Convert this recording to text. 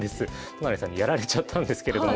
都成さんにやられちゃったんですけれども。